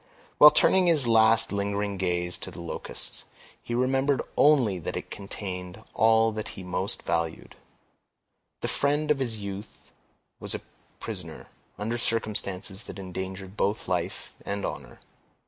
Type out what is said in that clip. While turning his last lingering gaze on the Locusts, he remembered only that it contained all that he most valued. The friend of his youth was a prisoner, under circumstances that endangered both life and honor.